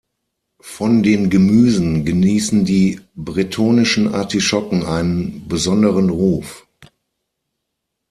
Von den Gemüsen genießen die bretonischen Artischocken einen besonderen Ruf.